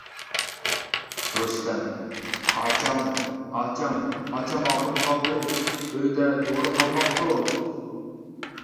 رۇستەم:-ئاچام، ئاچام، ئاچام ئاغرىپ قالدى، ئۆيدە دورا قالماپتۇ.